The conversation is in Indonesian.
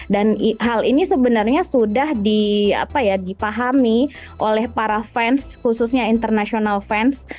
dan hal ini sebenarnya sudah dipahami oleh para fans khususnya international fans